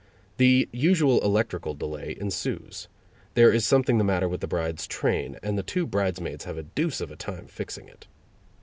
The usual electrical delay ensues. There is something the matter with the bride's train, and the two bridesmaids have a deuce of a time fixing it.